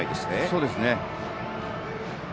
そうですね。